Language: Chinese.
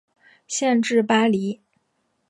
县治巴黎。